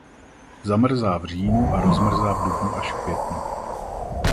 Zamrzá v říjnu a rozmrzá v dubnu až v květnu.